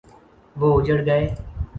وہ اجڑ گئے۔